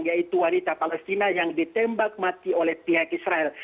yaitu wanita palestina yang ditembak mati oleh pihak israel